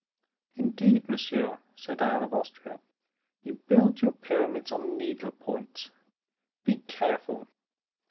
"Indeed, monsieur," said Anne of Austria, "you build your pyramids on needle points; be careful.